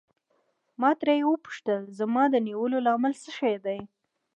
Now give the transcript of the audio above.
ما ترې وپوښتل زما د نیولو لامل څه شی دی.